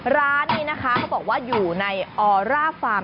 ร้านนี้นะคะเขาบอกว่าอยู่ในออร่าฟาร์ม